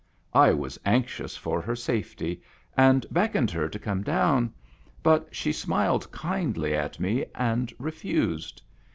I was anxious for her safety, and beckoned her to come down ; but she smiled kindly at me, and refused.